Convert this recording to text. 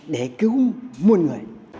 để cứu muôn người